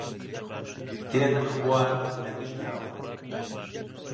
دێنە خوار لە گشت لاوە